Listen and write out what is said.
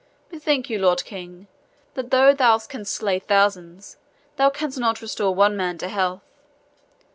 Bethink you, Lord King, that, though thou canst slay thousands, thou canst not restore one man to health.